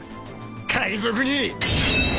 海賊に！